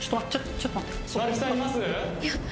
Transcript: ちょっと待って。